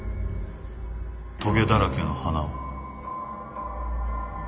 とげだらけの花を？